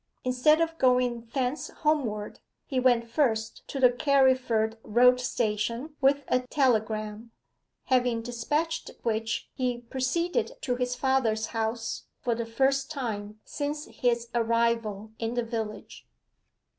Instead of going thence homeward, he went first to the Carriford Road Station with a telegram, having despatched which he proceeded to his father's house for the first time since his arrival in the village.